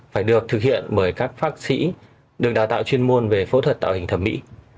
phải được thực hiện bởi các bác sĩ được đào tạo chuyên môn về phẫu thuật tạo hình thẩm mỹ